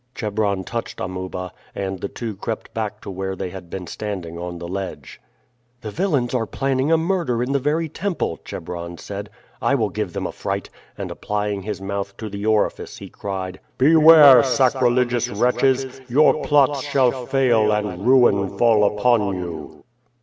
Chebron touched Amuba, and the two crept back to where they had been standing on the ledge. "The villains are planning a murder in the very temple!" Chebron said. "I will give them a fright;" and applying his mouth to the orifice he cried: "Beware, sacrilegious wretches! Your plots shall fail and ruin fall upon you!"